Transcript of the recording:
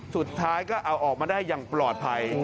สุดท้ายก็เอาออกมาได้อย่างปลอดภัย